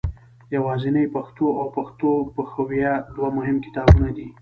یوازنۍ پښتو او پښتو پښویه دوه مهم کتابونه دي.